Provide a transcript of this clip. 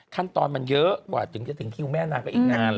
ขั้นตอนมันเยอะกว่าถึงจะถึงคิวแม่นางก็อีกนาน